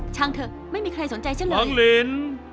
เถอะไม่มีใครสนใจฉันเลยน้องลิน